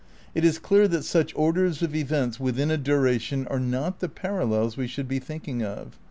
It is clear that such orders of events withia a duration are not the parallels we should be thinking of.